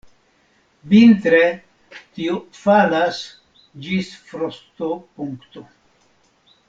Vintre tio falas ĝis frostopunkto.